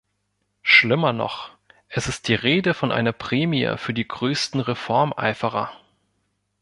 Schlimmer noch, es ist die Rede von einer Prämie für die größten Reformeiferer.